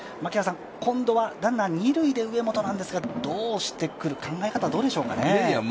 今度はランナー二塁で上本なんですが、考え方はどうでしょうか？